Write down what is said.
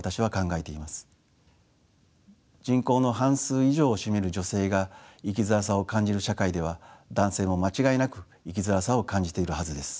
人口の半数以上を占める女性が生きづらさを感じる社会では男性も間違いなく生きづらさを感じているはずです。